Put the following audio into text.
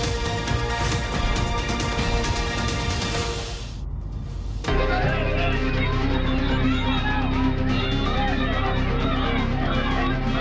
มุ่งเดินไปกลับมา